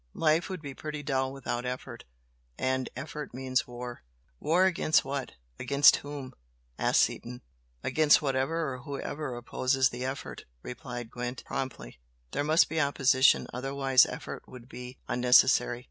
Life would be pretty dull without effort and effort means war." "War against what? against whom?" asked Seaton. "Against whatever or whoever opposes the effort," replied Gwent, promptly "There must be opposition, otherwise effort would be unnecessary.